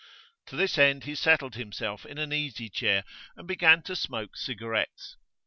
To this end he settled himself in an easy chair and began to smoke cigarettes.